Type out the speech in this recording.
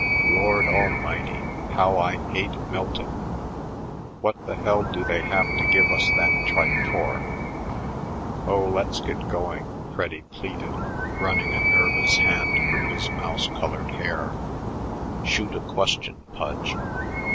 Lord Almighty, how I hate Milton! What th' hell do they have to give us that tripe for?" "Oh, let's get going," Freddy pleaded, running a nervous hand through his mouse colored hair. "Shoot a question, Pudge."